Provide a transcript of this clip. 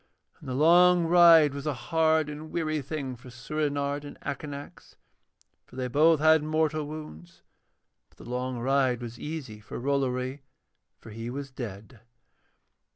And the long ride was a hard and weary thing for Soorenard and Akanax, for they both had mortal wounds; but the long ride was easy for Rollory, for he was dead.